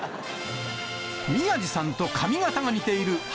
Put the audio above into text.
宮治さんと髪形が似ている林